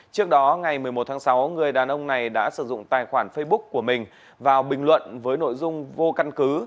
trước đó ngày một mươi một tháng sáu người đàn ông này đã sử dụng tài khoản facebook của mình vào bình luận với nội dung vô căn cứ